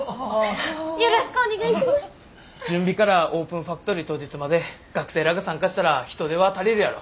準備からオープンファクトリー当日まで学生らが参加したら人手は足りるやろ。